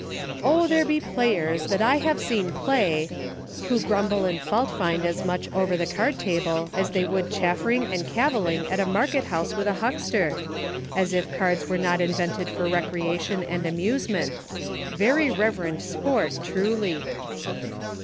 " O there be players, that I have seen play," who grumble and fault find as much over the card table, as they would chaffering and cavil ling in a market house with a huckster !— as if cards were not invented for recreation and amusement —" very reverend sport truly."